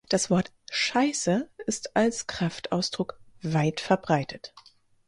Das Wort "Scheiße" ist als Kraftausdruck weit verbreitet.